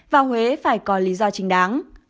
và huế phải có lý do chính đáng